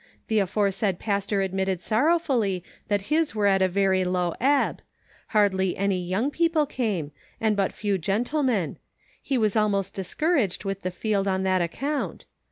The aforesaid pastor admitted sorrowfully that his were at a very low ebb ; hardly any young people came, and but few gentlemen ; he was almost discouraged with the field, on that account.